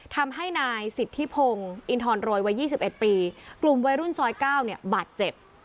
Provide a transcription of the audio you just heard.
ทำให้นายสิทธิพงศ์อินทรโรยวัย๒๑ปีกลุ่มวัยรุ่นซอย๙เนี่ยบาดเจ็บ